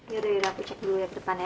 ya udah ya aku cek dulu ya ke depan ya